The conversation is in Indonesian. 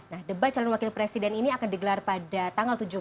nah debat calon wakil presiden ini akan digelar pada tanggal tujuh belas